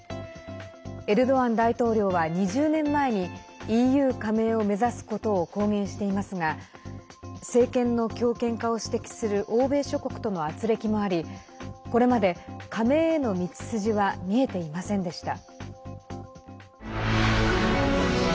エルドアン大統領は、２０年前にＥＵ加盟を目指すことを公言していますが政権の強権化を指摘する欧米諸国とのあつれきもありこれまで、加盟への道筋は見えていませんでした。